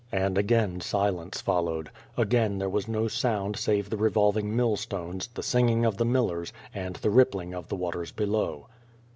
And again silence followed. Again there was no sound save the revolving mill stones, the singing of the millers, and the rippling of the waters below.